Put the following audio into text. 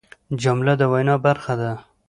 جمله د وینا برخه ده.